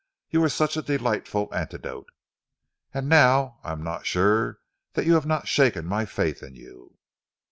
You were such a delightful antidote. And now, I am not sure that you have not shaken my faith in you."